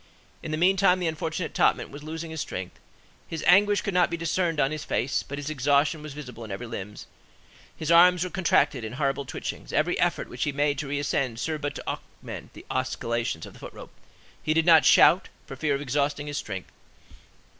In the meantime, the unfortunate topman was losing his strength; his anguish could not be discerned on his face, but his exhaustion was visible in every limb; his arms were contracted in horrible twitchings; every effort which he made to re ascend served but to augment the oscillations of the foot rope; he did not shout, for fear of exhausting his strength.